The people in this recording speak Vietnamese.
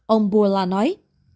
ông bourla nói